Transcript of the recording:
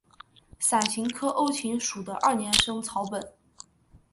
伞形科欧芹属的二年生草本。